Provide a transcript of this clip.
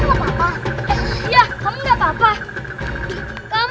sudah banyak kali gue mengingat